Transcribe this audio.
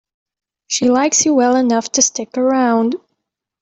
She likes you well enough to stick around.